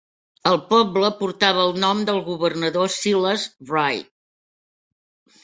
El poble portava el nom del governador Silas Wright.